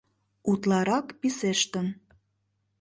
Утларак писештын.